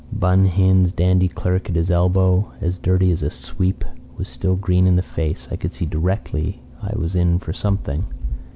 Bun Hin's dandy clerk at his elbow, as dirty as a sweep, was still green in the face. I could see directly I was in for something.